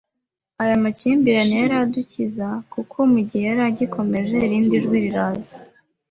Aya makimbirane yari adukiza, kuko mugihe yari agikomeje, irindi jwi riraza